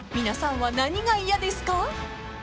［皆さんは何が嫌ですか？］